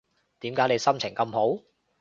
點解你心情咁好